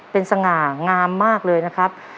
เป็นสง่างามมากเลยนะครับ